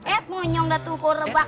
eh monyong dah tuh korebak